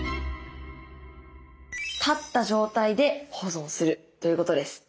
立った状態で保存するということです。